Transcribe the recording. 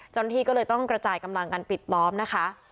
เจ้าหน้าที่ก็เลยต้องกระจายกำลังกันปิดล้อมนะคะ